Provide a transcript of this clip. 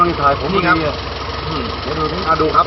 มันไทยผมละครับ